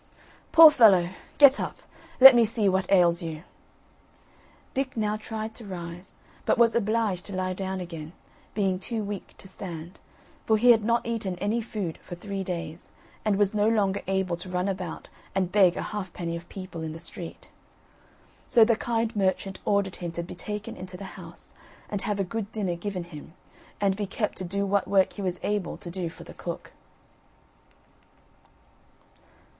"Poor fellow, get up; let me see what ails you." Dick now tried to rise, but was obliged to lie down again, being too weak to stand, for he had not eaten any food for three days, and was no longer able to run about and beg a halfpenny of people in the street. So the kind merchant ordered him to be taken into the house, and have a good dinner given him, and be kept to do what work he was able to do for the cook.